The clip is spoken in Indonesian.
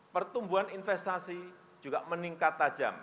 pertumbuhan investasi juga meningkat tajam